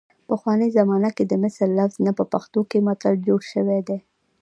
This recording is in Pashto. پخوانۍ زمانه کې د مثل لفظ نه په پښتو کې متل جوړ شوی دی